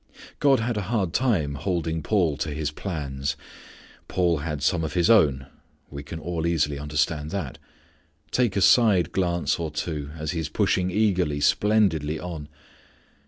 God had a hard time holding Paul to His plans. Paul had some of his own. We can all easily understand that. Take a side glance or two as he is pushing eagerly, splendidly on.